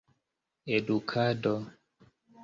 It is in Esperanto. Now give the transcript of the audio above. edukado